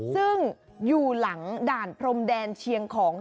ซึ่งอยู่หลังด่านพรมแดนเชียงของ